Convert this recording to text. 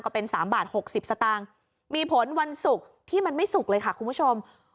ก็เป็น๓บาท๖๐สตางค์มีผลวันศุกร์ที่มันไม่สุกเลยค่ะคุณผู้ชม